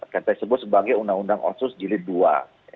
kita sebut sebagai undang undang otsus jilid dua